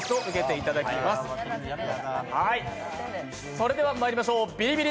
それでは、まいりましょう、ビリビリ！